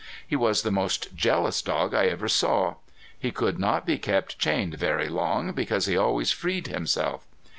He was the most jealous dog I ever saw. He could not be kept chained very long because he always freed himself.